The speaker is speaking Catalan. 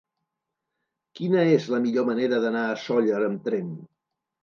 Quina és la millor manera d'anar a Sóller amb tren?